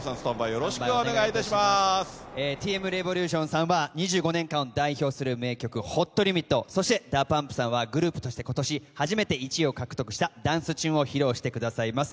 Ｔ．Ｍ．Ｒｅｖｏｌｕｔｉｏｎさんは２５年間を代表する名曲ＨＯＴＬＩＭＩＴＤＡＰＵＭＰさんはグループとして今年初めて１位を獲得したダンスチューンを披露してくれます。